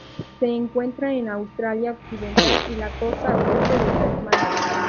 Se encuentra en Australia Occidental y la costa oeste de Tasmania.